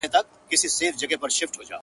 د خپل خیال قبر ته ناست یم خپل خوبونه ښخومه!.